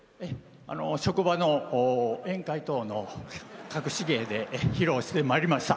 職場の宴会等のかくし芸で披露してまいりました。